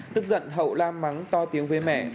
tức giận hậu la mắng to tiếng với mẹ